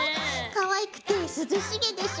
かわいくて涼しげでしょ！